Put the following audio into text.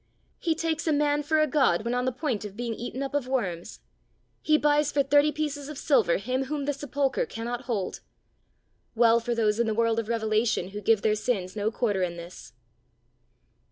He takes a man for a God when on the point of being eaten up of worms! he buys for thirty pieces of silver him whom the sepulchre cannot hold! Well for those in the world of revelation, who give their sins no quarter in this!